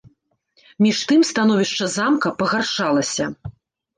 Між тым становішча замка пагаршалася.